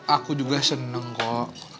aku juga seneng kok